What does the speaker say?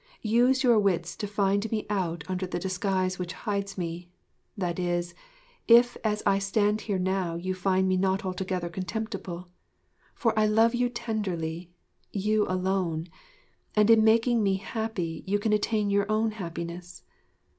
Use your wits to find me out under the disguise which hides me that is, if as I stand here now you find me not altogether contemptible. For I love you tenderly you alone and in making me happy you can attain to your own happiness.